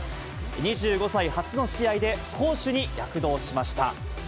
２５歳初の試合で攻守に躍動しました。